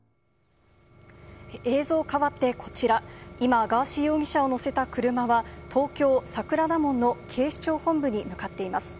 映像変わって、こちら、今、ガーシー容疑者を乗せた車は、東京・桜田門の警視庁本部に向かっています。